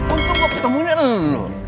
untuk gue ketemunya